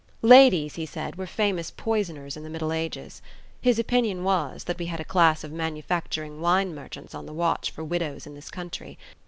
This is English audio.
Ladies, he said, were famous poisoners in the Middle Ages. His opinion was, that we had a class of manufacturing wine merchants on the watch for widows in this country.